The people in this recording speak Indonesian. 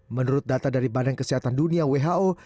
menurut data dari badan kesehatan dunia who